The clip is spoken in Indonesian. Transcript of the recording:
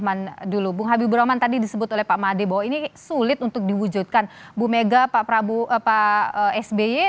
apa kamu akan mengambilkan dan itu bagaimana kementerian secaragli port principalmente orang saya